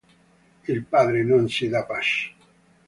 Il padre non si dà pace.